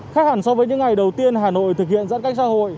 khác hẳn so với những ngày đầu tiên hà nội thực hiện giãn cách xã hội